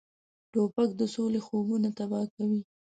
توپک د سولې خوبونه تباه کوي.